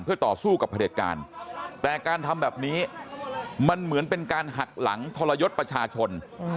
เพื่อต่อสู้กับผลิตการแต่การทำแบบนี้มันเหมือนเป็นการหักหลังทรยศประชาชน